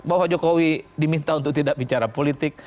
bahwa jokowi diminta untuk tidak bicara politik